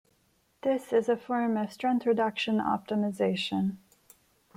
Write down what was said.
This is a form of strength reduction optimization.